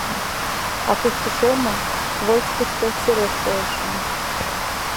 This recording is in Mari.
А куштышемым Вольскышто сереш тойышым...